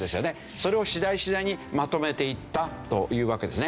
それを次第次第にまとめていったというわけですね。